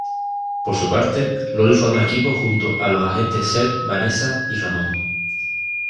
Por su parte, Iori forma equipo junto a los agentes Seth, Vanessa y Ramon.